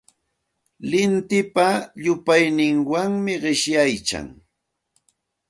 Lintipa llupayninwanmi qishyaykan.